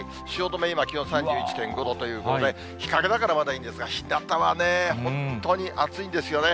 汐留、今、気温３１．５度ということで、日陰だからまだいいんですが、ひなたはね、本当に暑いんですよね。